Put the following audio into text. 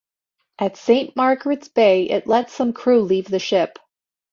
At Saint Margaret's Bay it let some crew leave the ship.